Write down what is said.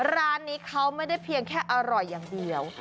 ร้านนี้เขาไม่ได้เพียงแค่อร่อยอย่างเดียว